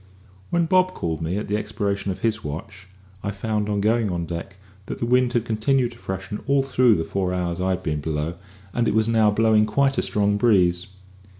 When Bob called me at the expiration of his watch, I found, on going on deck, that the wind had continued to freshen all through the four hours I had been below, and it was now blowing quite a strong breeze.